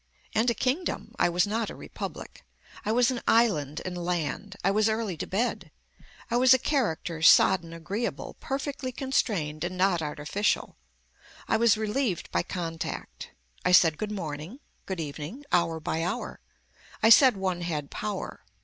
And a kingdom. I was not a republic. I was an island and land. I was early to bed. I was a character sodden agreeable perfectly constrained and not artificial. I was relieved by contact. I said good morning, good evening, hour by hour. I said one had power.